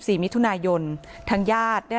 พระเจ้าอาวาสกันหน่อยนะครับ